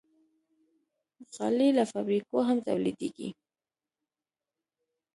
غالۍ له فابریکو هم تولیدېږي.